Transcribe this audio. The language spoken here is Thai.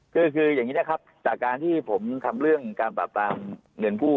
คืออย่างนี้นะครับจากการที่ผมทำเรื่องการปราบปรามเงินกู้